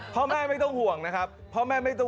ท่อแม่ไม่ต้องห่วงนะครับ